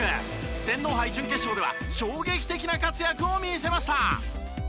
天皇杯準決勝では衝撃的な活躍を見せました。